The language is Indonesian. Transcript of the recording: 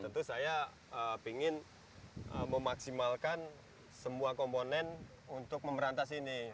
tentu saya ingin memaksimalkan semua komponen untuk memberantas ini